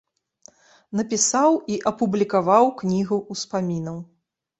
Напісаў і апублікаваў кнігу ўспамінаў.